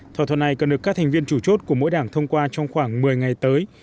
thỏa thuận này cần được các thành viên chủ chốt của mỗi đảng thông qua trong khoảng một mươi ngày tới